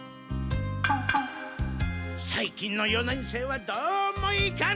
さい近の四年生はどうもいかん！